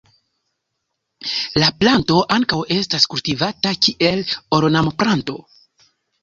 La planto ankaŭ estas kultivata kiel ornamplanto.